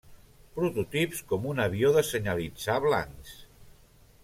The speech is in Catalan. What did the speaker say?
Prototips com un avió de senyalitzar blancs.